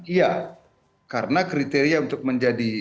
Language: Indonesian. iya karena kriteria untuk menjadi